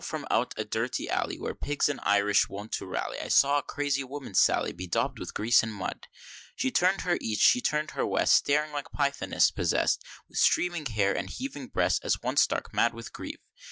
from out a dirty alley, Where pigs and Irish wont to rally, I saw a crazy woman sally, Bedaub'd with grease and mud. She turn'd her East, she turn'd her West, Staring like Pythoness possest, With streaming hair and heaving breast, As one stark mad with grief.